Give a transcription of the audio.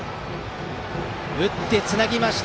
打って、つなぎました。